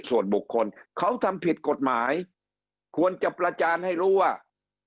ส่วนบุคคลเขาทำผิดกฎหมายควรจะประจานให้รู้ว่า